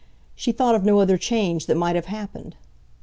She thought of no other change that might have happened.